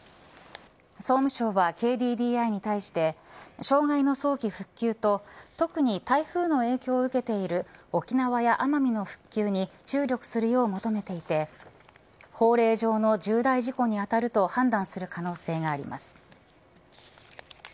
総務省はＫＤＤＩに対して障害の早期復旧と特に台風の影響を受けている沖縄や奄美の復旧に注力するよう求めていて法令上の重大事故に当たると判断する可能性があります。